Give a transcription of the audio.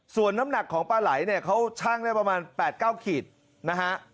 ส่วนน้ำหนักของปลาไหลเนี่ยเขาชั่งได้ประมาณ๘๙ขีดนะฮะ